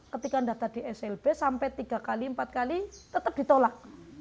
ketika mendata di slb sampai tiga kali empat kali tetap ditolak